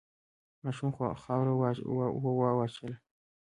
ماشوم خاوره وواچوله.